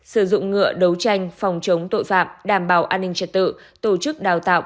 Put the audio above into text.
sử dụng ngựa đấu tranh phòng chống tội phạm đảm bảo an ninh trật tự tổ chức đào tạo